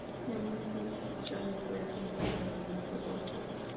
Ese año su ficha le fue vendida a Academia Fútbol Club.